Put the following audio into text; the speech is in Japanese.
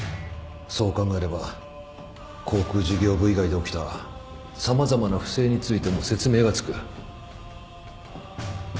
そう考えれば航空事業部以外で起きた様々な不正についても説明がつく。